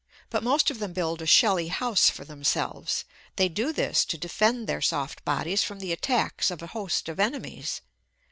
But most of them build a shelly house for themselves; they do this to defend their soft bodies from the attacks of a host of enemies.